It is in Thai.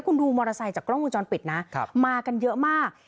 คุณดูมอเตอร์ไซค์จากกล้องวงจรปิดนะมากันเยอะมาก